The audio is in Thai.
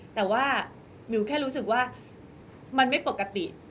แต่ว่ามิวแค่รู้สึกว่ามันไม่ปกติ